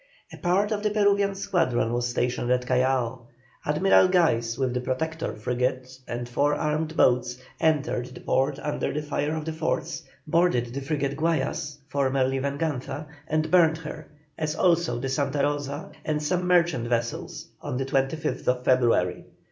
A part of the Peruvian squadron was stationed at Callao. Admiral Guise with the Protector frigate and four armed boats, entered the port under the fire of the forts, boarded the frigate Guayas, formerly Venganza, and burned her, as also the Santa Rosa, and some merchant vessels, on the 25th February.